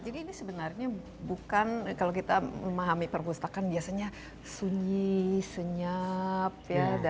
jadi ini sebenarnya bukan kalau kita memahami perpustakaan biasanya sunyi senyap